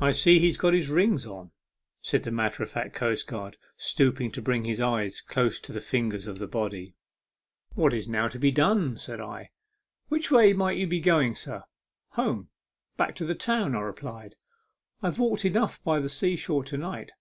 "I see he's got his rings on," said the matter of fact coastguard, stooping to bring his eyes close to the fingers of the body. A MEMORABLE SWIM. 57 " "What is now to be done ?" said I. " Which way might you be going, sir ?"" Home back to the town," I replied ;" I've walked enough by the sea shore to night."